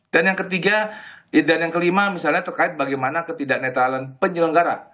dan yang ketiga dan yang kelima misalnya terkait bagaimana ketidakneutralan penyelenggara